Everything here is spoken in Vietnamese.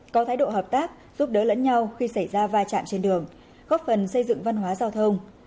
có thái độ hợp tác giúp đỡ lẫn nhau khi xảy ra va chạm trên đường góp phần xây dựng văn hóa giao thông